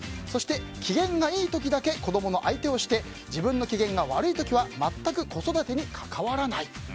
そして機嫌がいい時だけ子供の相手をして自分の機嫌が悪い時は全く子育てに関わらない。